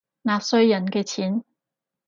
納稅人嘅錢